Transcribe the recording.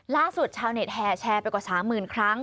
ล่าสุดชาวเน็ตแฮร์แชร์ไปกว่า๓๐๐๐๐ครั้ง